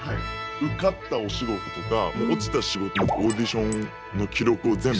受かったお仕事とか落ちた仕事のオーディションの記録を全部。